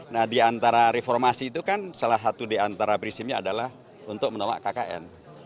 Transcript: nah di antara reformasi itu kan salah satu di antara prinsipnya adalah untuk menolak kkn